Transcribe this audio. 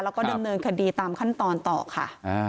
แล้วก็ดำเนินคดีตามขั้นตอนต่อค่ะ